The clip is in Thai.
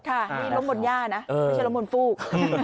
ค่ะลงบนหญ้านะไม่ใช่ลงบนฟูก